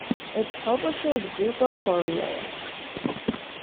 Its publisher is Gruppo Corriere.